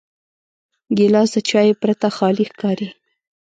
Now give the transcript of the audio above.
ګیلاس د چایو پرته خالي ښکاري.